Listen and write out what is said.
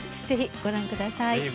ぜひご覧ください！